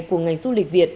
của ngành du lịch việt